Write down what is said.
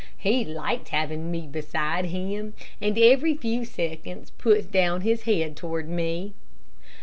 He liked having me beside him, and every few seconds put down his head toward me.